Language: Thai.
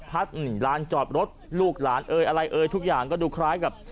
ร้านจอดรถลูกหลานเอ่ยอะไรเอ่ยทุกอย่างก็ดูคล้ายกับ